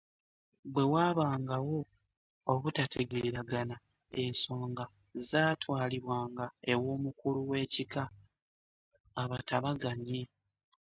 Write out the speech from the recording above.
Bwe waabangawo obutategeeragana, ensonga zaatwalibwanga owoomukulu w’ekika abatabaganye.